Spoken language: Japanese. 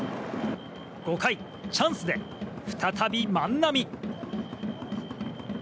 ５回、チャンスで再び万波。